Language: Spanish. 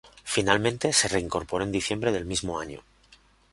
Finalmente se reincorporó en diciembre del mismo año.